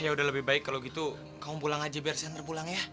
yaudah lebih baik kalau gitu kamu pulang aja biar saya ngerpulang ya